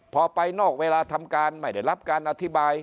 พอไปนอกเวลาทำการไม่ได้รับการอธิบาย